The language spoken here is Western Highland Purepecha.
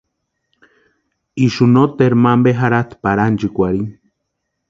Ixu noteru mampe jarhatʼi pari ánchikwarhini.